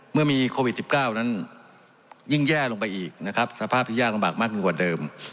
เมื่อมีโควิด๑๙นั้นยิ่งแย่ลงไปอีกนะครับสภาพที่ยากลำบากมากยิ่งกว่าเดิม